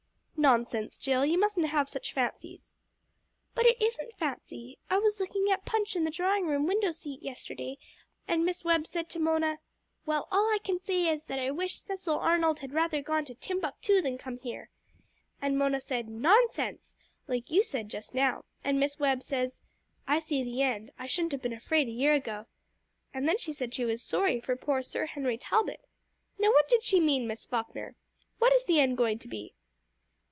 "Nonsense, Jill, you mustn't have such fancies." "But it isn't fancy. I was looking at Punch in the drawing room window seat yesterday, and Miss Webb said to Mona, 'Well, all I can say is, that I wish Cecil Arnold had rather gone to Timbuctoo than come here.' And Mona said, 'Nonsense!' like you said just now, and Miss Webb said, 'I see the end. I shouldn't have been afraid a year ago.' And then she said she was sorry for poor Sir Henry Talbot. Now what did she mean, Miss Falkner? What is the end going to be?"